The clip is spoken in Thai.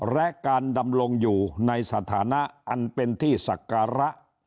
และการดำรงอยู่ในสถานะอันเป็นที่ศักระ